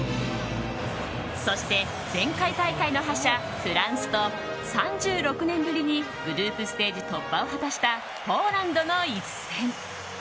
そして前回大会の覇者、フランスと３６年ぶりにグループステージ突破を果たしたポーランドの一戦。